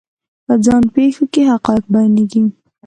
په ځان پېښو کې حقایق بیانېږي.